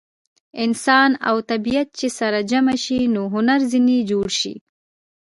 انسان او طبیعت چې سره جمع شي نو هنر ځینې جوړ شي.